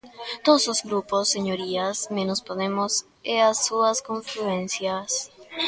Todos os grupos, señorías, menos Podemos e as súas confluencias.